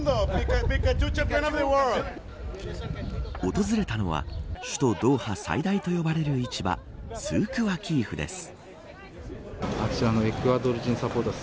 訪れたのは首都ドーハ最大と呼ばれる市場スークワキーフです。